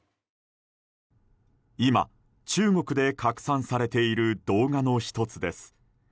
今、中国で拡散されている動画の１つです。